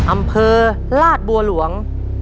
อำเภอลาดบัวหลวง